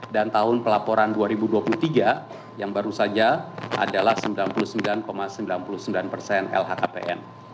dan tahun pelaporan dua ribu dua puluh tiga yang baru saja adalah sembilan puluh sembilan sembilan puluh sembilan lhkpn